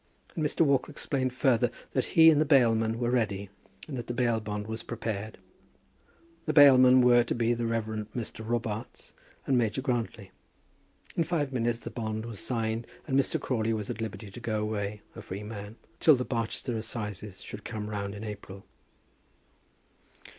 And Mr. Walker explained further that he and the bailmen were ready, and that the bail bond was prepared. The bailmen were to be the Rev. Mr. Robarts, and Major Grantly. In five minutes the bond was signed and Mr. Crawley was at liberty to go away, a free man, till the Barchester Assizes should come round in April.